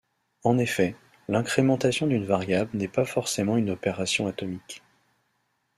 En effet, l'incrémentation d'une variable n'est pas forcément une opération atomique.